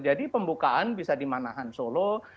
jadi pembukaan bisa di manahan solo